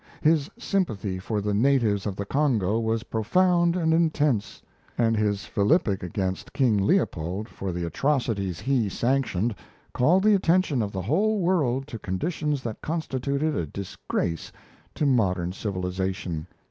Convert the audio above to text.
His sympathy for the natives of the Congo was profound and intense; and his philippic against King Leopold for the atrocities he sanctioned called the attention of the whole world to conditions that constituted a disgrace to modern civilization.